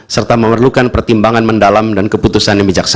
serta memerlukan pertimbangan mendalam dan keputusan yang bijaksana